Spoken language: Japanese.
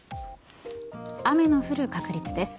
雨の降る確率です。